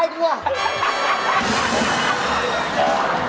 อยู่ดี